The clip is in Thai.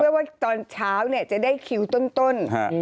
เพื่อว่าตอนเช้าเนี่ยจะได้คิวต้น